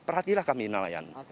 perhatilah kami nelayan